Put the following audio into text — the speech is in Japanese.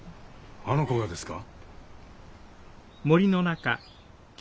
あの子がですか？